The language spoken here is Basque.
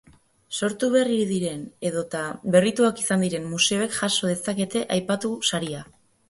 Sortu berri diren edota berrituak izan diren museoek jaso dezakete aipatu saria.